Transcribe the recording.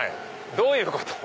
どういうこと？